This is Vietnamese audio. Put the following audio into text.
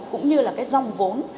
cũng như là cái dòng vốn